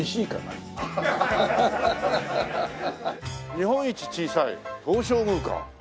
「日本一小さい東照宮」か。